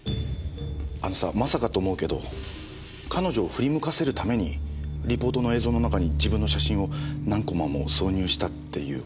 あのさまさかと思うけど彼女を振り向かせるためにリポートの映像の中に自分の写真を何コマも挿入したっていうこと？